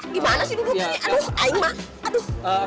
gimana sih buku ini aduh aing banget